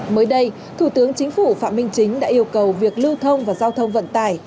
mới đây thủ tướng chính phủ phạm minh chính đã yêu cầu việc lưu thông và giao thông vận tải